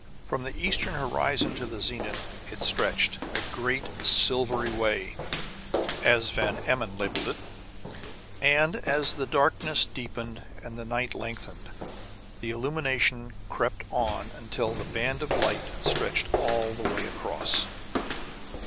From the eastern horizon to the zenith it stretched, a great "Silvery Way," as Van Emmon labeled it; and as the darkness deepened and the night lengthened, the illumination crept on until the band of light stretched all the way across.